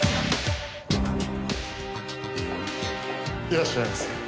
いらっしゃいませ。